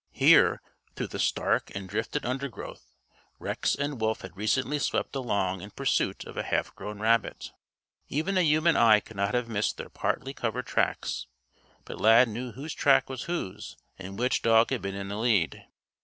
Here, through the stark and drifted undergrowth, Rex and Wolf had recently swept along in pursuit of a half grown rabbit. Even a human eye could not have missed their partly covered tracks; but Lad knew whose track was whose and which dog had been in the lead.